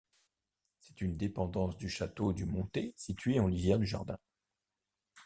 C'est une dépendance du château du Montet situé en lisière du jardin.